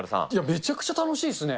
めちゃくちゃ楽しいですね。